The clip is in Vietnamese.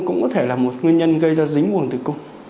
cũng có thể là một nguyên nhân gây ra dính vùng tử cung